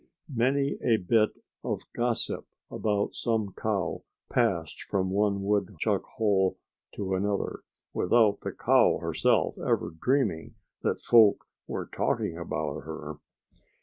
Many a bit of gossip about some cow passed from one woodchuck hole to another, without the cow herself ever dreaming that folk were talking about her.